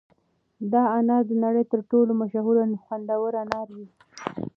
دا انار د نړۍ تر ټولو مشهور او خوندور انار دي.